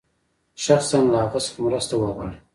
شخصاً له هغه څخه مرسته وغواړي.